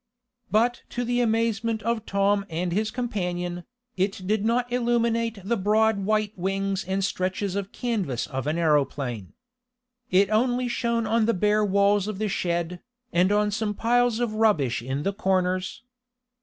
But to the amazement of Tom and his companion, it did not illuminate the broad white wings and stretches of canvas of an aeroplane. It only shone on the bare walls of the shed, and on some piles of rubbish in the corners.